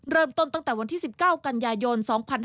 เริ่มต้นตั้งแต่วัน๑๙กันยายน๒๕๕๖